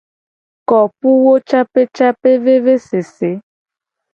Kopuwocapecapevevesese.